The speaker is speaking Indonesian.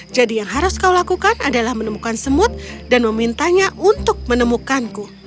jadi yang harus kau lakukan adalah menemukan semut dan memintanya untuk menemukanku